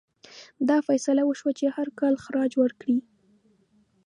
دا فیصله وشوه چې هر کال خراج ورکړي.